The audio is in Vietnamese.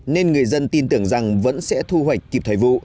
nên người dân tin tưởng rằng vẫn sẽ thu hoạch kịp thời vụ